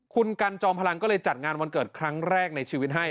คุณกันจอมพลังก็เลยจัดงานวันเกิดครั้งแรกในชีวิตให้